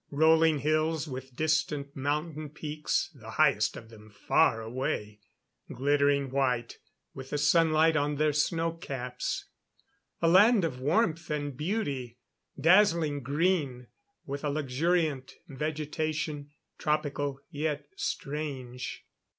Rolling hills with distant mountain peaks, the highest of them far away, glittering white with the sunlight on their snow caps. A land of warmth and beauty. Dazzling green, with a luxuriant vegetation, tropical yet strange.